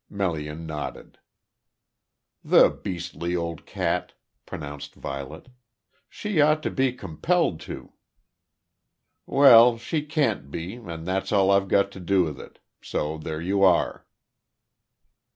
Melian nodded. "The beastly old cat!" pronounced Violet. "She ought to be compelled to." "Well, she can't be, and that's all I've got to do with it. So there you are."